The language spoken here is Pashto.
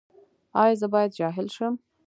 ایا زه باید جاهل شم؟